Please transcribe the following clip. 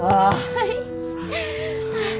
はい。